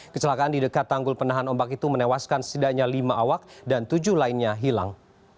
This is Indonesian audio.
kecelakaan di dekat tanggul penahan ombak itu menewaskan setidaknya lima awak dan tujuh lainnya hilang